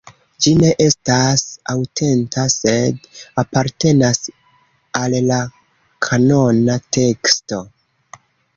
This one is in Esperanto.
Ĝi ne estas aŭtenta, sed apartenas al la kanona teksto.